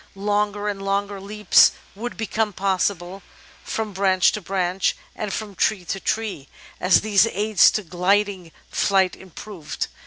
Longer and longer leaps would become possible, from branch to branch and from tree to tree, as these aids to gliding flight improved.